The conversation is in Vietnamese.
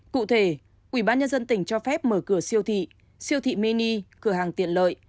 cụ thể ủy ban nhân dân tỉnh cho phép mở cửa siêu thị siêu thị mini cửa hàng tiện lợi